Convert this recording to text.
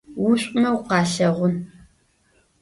Ушӏумэ укъалъэгъун.